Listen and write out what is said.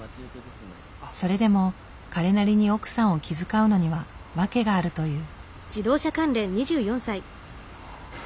それでも彼なりに奥さんを気遣うのには訳があるという。